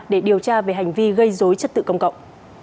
để điều tra về hành vi gây dối trật tự công cộng